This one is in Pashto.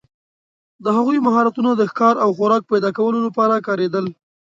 د هغوی مهارتونه د ښکار او خوراک پیداکولو لپاره کارېدل.